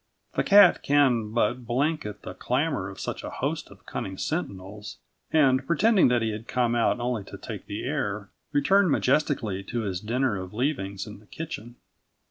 The cat can but blink at the clamour of such a host of cunning sentinels and, pretending that he had come out only to take the air, return majestically to his dinner of leavings in the kitchen.